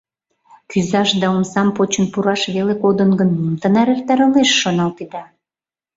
Кӱзаш да омсам почын пураш веле кодын гын, мом тынар эртарылеш, шоналтеда.